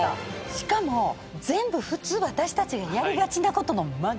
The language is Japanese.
しかも全部普通私たちがやりがちなことの真逆。